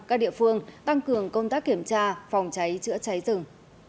các địa phương tăng cường công tác kiểm tra phòng cháy chữa cháy rừng